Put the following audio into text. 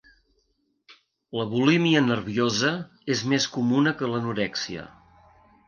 La bulímia nerviosa és més comuna que l'anorèxia.